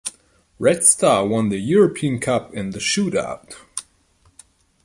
Red Star won the European Cup in the shootout.